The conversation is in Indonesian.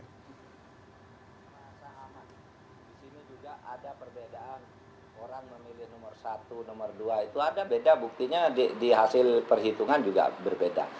di sini juga ada perbedaan orang memilih nomor satu nomor dua itu ada beda buktinya di hasil perhitungan juga berbeda